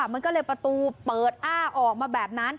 มันก็เลยประตูเปิดอ้าออกมาแบบนั้น